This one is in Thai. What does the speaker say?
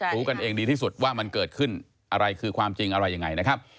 รู้กันเองดีที่สุดว่ามันเกิดขึ้นอะไรคือความจริงอะไรยังไงนะครับ